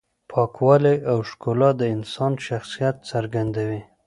پاکوالی او ښکلا د انسان شخصیت څرګندوي.